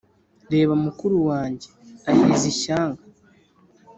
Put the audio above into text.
Reba mukuru wanjye aheze ishyanga